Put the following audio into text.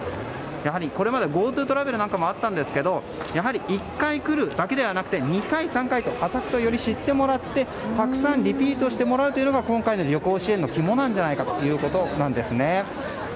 これまで、ＧｏＴｏトラベルなどもあったんですがやはり１回来るだけではなくて２回、３回と浅草をより知ってもらってたくさんリピートしてもらうというのが今回の旅行支援の肝なんじゃないかということなんですね。